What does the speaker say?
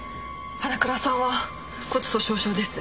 花倉さんは骨粗しょう症です。